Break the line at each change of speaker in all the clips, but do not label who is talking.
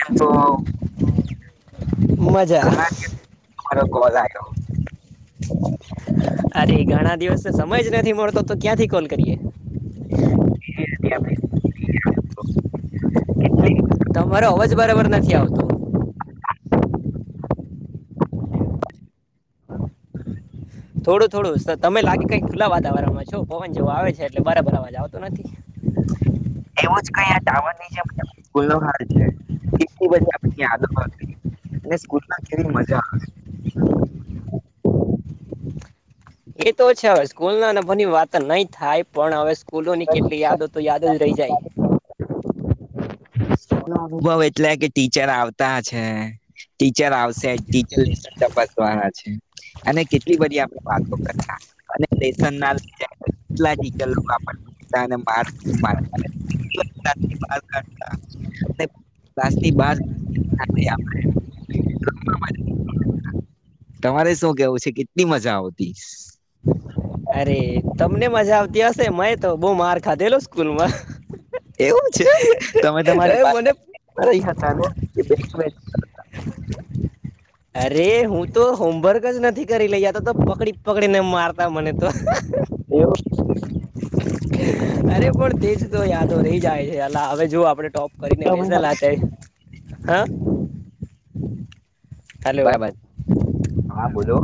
એ તો
મજા
ઘણા [unintelligible] [unintelligible]
અરે ઘણા દિવસનો સમય જ નથી મળતો તો ક્યાંથી કોલ કરીએ.
એ આપ [unintelligible] કેટલીક
તમારો અવાજ બરાબર નથી આવતો? થોડું થોડું તમે લાગે કઈક ખુલ્લા વાતાવરણમાં છો પવન જેવો આવે છે એટલે બરાબર અવાજ આવતો નથી.
જ કઈ આ ટાવરની જેમ ખુલ્લો આન છે. કેટલી બધી આપણી આદત [unintelligible] ને સ્કૂલમાં કેવી મા આવે.
એ તો છે હવે સ્કૂલ ના ભની વાત નહી થાય પણ હવે ફૂલો ની કેટલી યાદો તો યાદ જ રહી જાય. [inaudible]
સ્કૂલના અનુભવ એટલે કે ટીચર આવતા છે. ટીચર આવશે ટીચર લેસન તપાસવાના છે, અને કેટલી બધી આપણે વાતો કરતા અને લેસના ચેપ્ કેટલા ટીચર આપણને પ [unintelligible] [unintelligible] બાર કાઢ્તા. ને ક્લાસની બાર ક [unintelligible] તમારે શું કેવું છે કેટલી મજા આવતી. [unintelligible]
અરે તમને મજા આવતી હશે મેં તો બહ માર ખાધેલો સ્કૂલમાં.
એવું છે, તમે
એ
તમારી પાસે
મને
ર હતા ને. [unintelligible]
અરે હું તો હોમવર્ક જ નથી કરી લઈ આ તો તો પકડી પકડીને મારતા મને તો,
એવું
અરે પણ તેજ તો યાદો રહી જાય છે હવે જો આપડે ટોપ કરીને
તમે હતા?
બેસેલતા હા. [inaudible] હલો
બાઈ ભાઈ હા બોલો.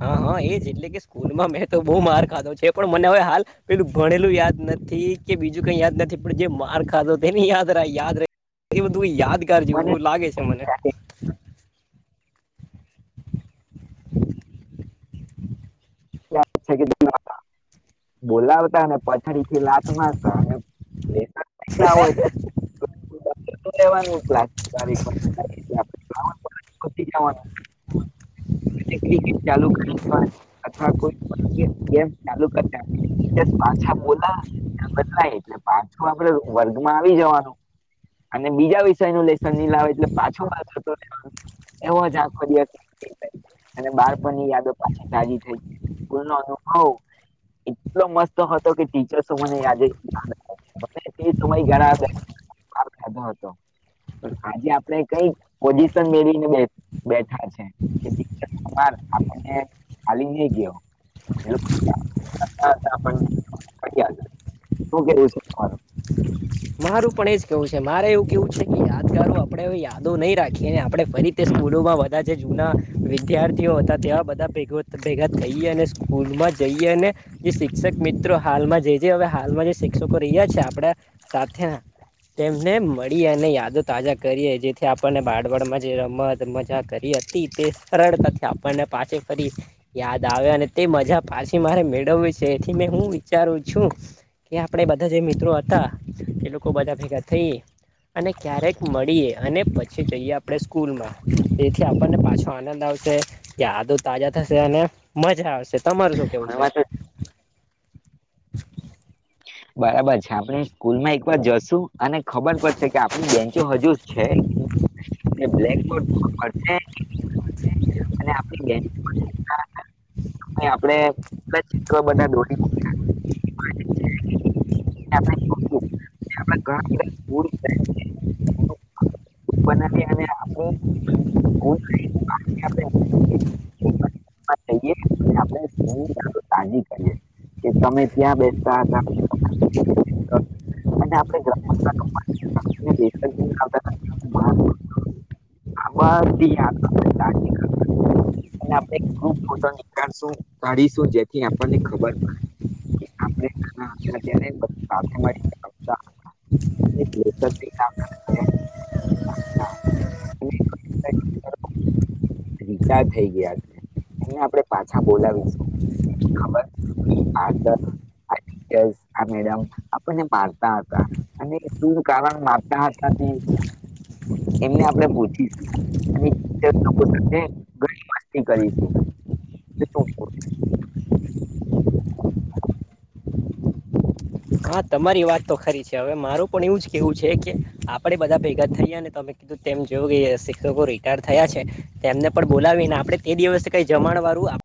હા હા એજ એટ કે સ્કૂલમાં મેં તો બહુ માર ખાધો છે પણ મને હવે હાલ પેલું ભણેલું યાદ નથી. કે બીજું કઈ યાદ નથી પણ જે માર ખાધો તેને યાદ યાદ બધું યાદ કર જેવું
મને
બ લાગે છે મને. [inaudible]
છે, બોલાવતા અને પછ થી લાત મારતા હોયેવાનું [unintelligible] [unintelligible]
[inaudible]
અથવા કોઈ ચાલુ કર હોયછા બોલા બદલાય એટલે પાછું આપડ વર્ગમાં આવી જવાનું અને બીજા વિષય નું લસન ન લાવે એટલે પાછોતો રહેવા એવ જ આ [unintelligible] અને બાળપણની યાદો પાછી તાજી થઈ, સ્કૂલ ન અનુભવ, એટલો મસ્ત હતો કે ટીચર્સો મને યાદ સમય ગધ હતો પણ, આજે આપણે કઈ પોઝિશન મેળને બેઠા છે. આપણને ખાલી નહી ગયો શ કેું છેરું [unintelligible]
મારું પણ એજ કેવું છે મારે એવું કેવું છે કે યાદગારો આપણે યાદો નહી રાખીએ અને આપણે ફરી તે સ્કૂલોમાં બધા જે જૂના, વિદ્યાર્થીઓ હતા ત્યાં બધા ભેગ ભેગા થઈએ અને સ્કૂલમાં જઈએ અને, જે શિક્ષક મિત્રો હાલમાં જ છે હવે હાલમાં જે શિક્ષકો રહ્યા છે આપણ સાથે, તેમને મળી અને યાદો તાજા કરીએ જેથી આપને બળવાડમાં જે રમત મજા કરી હતી તે સરળતાથી આપણને પાછ ફરી યાદ આવે અને તે મજા પાછી મારે મેળવવી છે એથી મે હું વિચારું છું, કે આપણે બધા જે મિત્રો હતા એ લોકો બધા ભેગા થઈ, અને ક્યારેક મળીએ અને પછી જઈએ આપણે સ્કૂલ માં, તેથી આપણને પાછો આનંદ આવશે, યાદો તાજા થશે અને મજા આવશે. તમારું શું કેવું
એમાં
છે?
તો બરાબર છે આપણે સ્કૂલમાં એક વાર જશું અને ખબર પડશે કે આપણી બેન્ચો હજુ છે, બ્લેકબોર્ડ પ અને આપડી અને આપડે [unintelligible] જઈએ અને આપણે સ્કૂલ તાજી કરીએ, કે તમે ત્યાં બેસતા હતા. અને આપણે રમવા બેસતા જ નહીં આવતા આ બધી તાજી અને આપડે ખુબ કાઢીશું જેથી આપણને ખબર પડે. આ [unintelligible] એ [unintelligible] રીતા થઈ ગયા છે, એને આપણે પાછા બોલાવીશું. ખબર હા મેડમ આપણને મારતા હતા, અને શું કારણ મારતા હતા, એમને આપણે પૂછી અને લોકો સાથે ઘણી કરીશું.
હા તમારી વાત તો ખરી છે હવે મારું પણ એવું જ કેહેવું છે કે, આપણેે બધા ભેગા થઈયા અને તમે કીધું તેમ જો કે શિક્ષકો રિટાયર થયા છે, તેમને પણ બોલાવી અનેને આપણે તે દિવસે કઈ જમાણ વાળું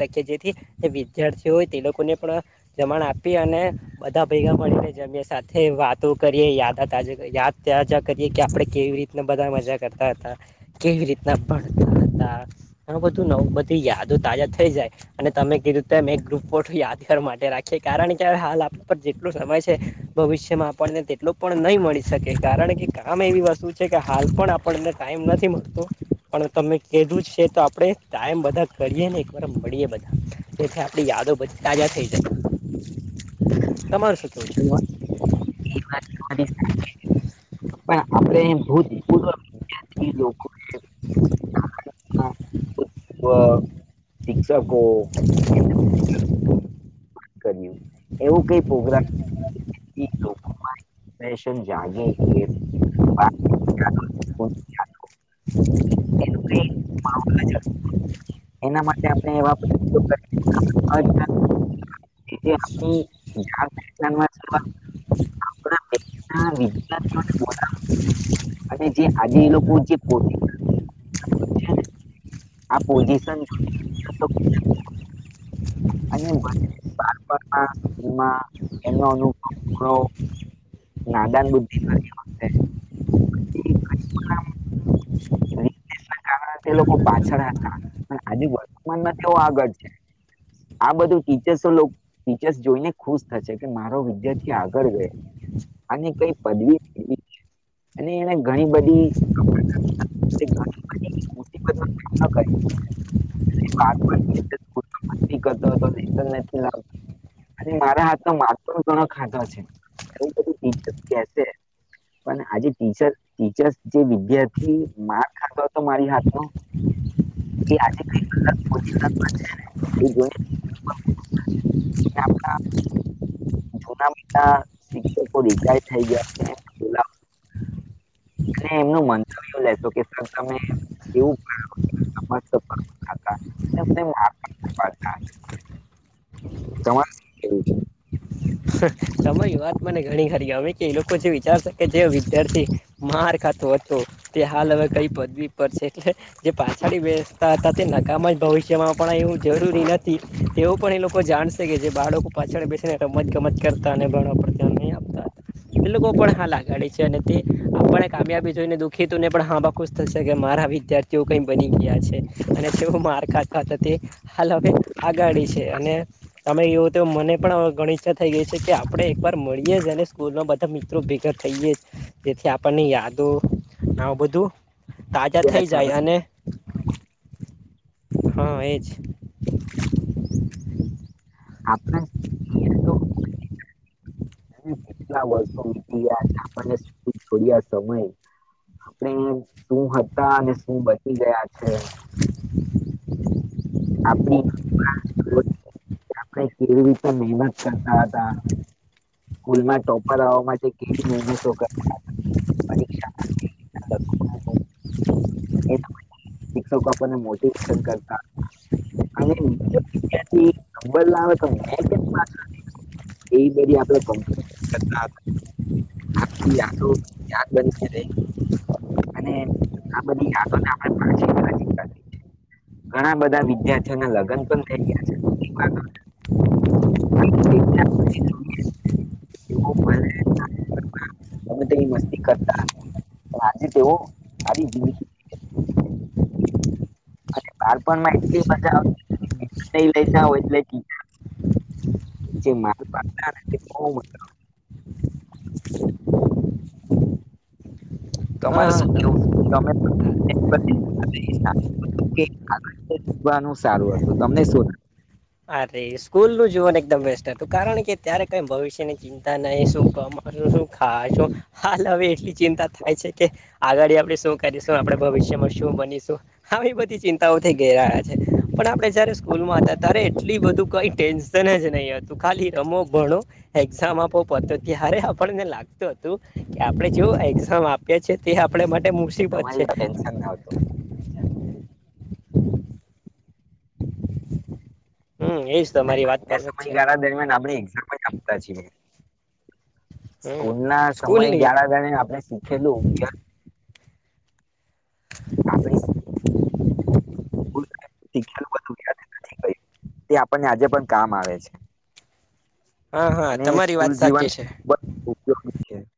રાખીએ જેથી, વિદ્યાર્થી હોય તે લોકોને પણ, જમાણ આપી અને બધા ભેગા મળીને જમીએ સાથે વાતો કરીએ યાદા યાદ તજા કરીએ કે આપડણે કેવી રીતના બધા મજા કરતા હતા, કેવી રીતના પડતા હતા, આ બધું નવ બધી યાદો તાજા થઈ જાય, અને તમે કીધુંતે એમ એક ગ્રુપ ફોટો યાદગાર માટે રાખીએ કારણ કે હાલ પણ જેટલો સમય છે, ભવિષ્યમાં આપણને તેટલ પણ નહી મળી શકે કારણ કે કામ એવી વસ્તુ છે કે હાલ પણ પણ એને ટાઈમ નથી મળતો. પણ તમે કેધું જ છે તો આપણે ટાઈમ બધા કરીએ ને એકવાર મળીએ બધા, જેથી આપણી યાદો બધી તાજા થઈ જાય. [inaudible] કહેવું છે
પણ આપડે એ ભૂત [unintelligible] [unintelligible] ત્યાથી લોકોને
[inaudible]
શિક્ષકો એમ કર્યું, એવું કઈ પ્રોગ્રામ જાગે કે એના માટે આપણે એવા [unintelligible] વિદ્યાર્થીઓ [inaudible] લોકો જે પોતે છે ને આ પોઝિશન [inaudible] એમાં એમનો [inaudible] નાદાન બુદ્ધિ [unintelligible] એના કારણે તે લોકો પાછળ હતા પણ આજુ વર્તમાનમાં તેઓ આગળ છે, આ બધું ટીચર્સ ટીચર્સ જોઈને ખુશ થશે કે મારો વિદ્યાર્થી આગળ ગયો, આ કઈ પદવીવી અને એને ઘણી બધી ઘણી મુસીબતનો સામનો કરીને બાળપણની અંદર સ્કૂલમાં કરતો નથી લાવતા અને મારા હાથ ન માર પણ ઘણો ખાધો‌ છે, એવુ બધું ટીચર્સ કેસે, પણ આજે ટી ટીચર્સ જે વિદ્યાર્થી માર્ક ખાતો હતો મારી હાથ ન એ આજે ક [unintelligible] આપણા જૂના શિક્ષકો રિટાયર થઈ ગયા છે અને એમનું મંતવ્ય લેશો કે સર તમે એવું મસ્ત કરતા હતા તમને માર પાડતા હતા. તમારે શું કેવું છે
સમય વાત મને ઘણી ખરી હ કે એ લોકો જે વિચારશે કે જે વિદ્યાર્થી, માર ખાતો હતો તે હાલ હવે કઈ પદવી પર છે એટલે જે પાછળ બેસતા હતા તે નકામ જ ભવિષ્યમાં પણ એવું જરૂરી નથી, તેવું પણ એ લોકો જાણશે કે જે બાળકો પાછળ બેસીને રમ રમત ગમજ કરતા અને [unintelligible] ધ્યાન નઆપતા હતા એટ લોકો પણ હાલ આગાળ છે અને તે, આપને કામયાબી જોઈને દુખ ખેતુને પણ હાબ ખુશ થશે કે મારા વિદ્યાર્થીઓ કંઈ બની ગયા છે, અને તેઓ મારખા ખાતા તે, હાલ હવે આગાડી છે અને તમે એવું તો મને પણ [unintelligible] ઈચ્છા થઈ ગઈ છે કે આપણે એકવાર મળીએ જ અને સ્કૂલમાં બધા મિત્રો ભેગા થઈએ, જેથી આપણને યાદો આ બધું
કે
તાજા થઈ
આજે
જાય અને હા એજ.
આપ કેટલા વર્ષો વ ગયા છે આપણને જોડ સમય આપણે શું હતા અને શું બ- [unintelligible] બની ગયા છે. આપણે [unintelligible] કેવી રીતે મહેનત કરતા હતા. સ્કૂલ માં ટોપર આવવા માટે કેવી મનતો કર પરીક્ષા [unintelligible] શિક્ષકો [inaudible] બધી [unintelligible] આજે તેઓ સારી જિંદગી [unintelligible] [unintelligible] જે માલ પાડતા તે બો મજા [unintelligible] તમારે
હા
શું
હા
કેવું કે તમે [unintelligible] સારું હતું તમને શું લાગે?
અરે સ્કૂલ નું જીવન એકદમ બેસ્ટ હતું કારણ કે ત્યારે કઈ ભવિષ્યની ચિંતા નહી શું કમાશું શું ખાશું, હાલ હવે એટલી ચિંતા થાય છે કે, આગળ આપણે શું કરીશું આપણે ભવિષ્યમાં શું બનીશું? આવી બધી ચિંતાઓ થઈ ગઈ છે પણ આપડણે જયારે સ્કૂલમાં હતા. એટલી બધું કઈ ટેન્શન જ નહી હતું ખાલી રમો ભણો, એક્ઝામ આપો પતો ત્યારે આપણને લાગતું હતું, કે આપણે જો એક્ઝામ આપએ છે તે આપડે માટે મુસીબત છે.
તમારી
[inaudible]
ટેન્શન ના હતું
હમ એજ
અને
તમારી વાત
આજના
પરફેક્ટ છે.
સમયગાળા દરમિયાન આપણે એક્ઝામ આપતા જીને.
હમ
સ્કૂલના સમય
સ્કૂલની
ગાણા દરમિયાન આપણે શીખેલું આપ તે આપણને આજે પણ કામ આવે છે. [unintelligible]
હા હા
અને
તમારી વાત સાચી છે.
હ. [inaudible]